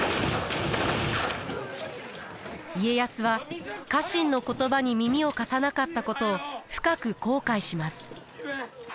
家康は家臣の言葉に耳を貸さなかったことを深く後悔します。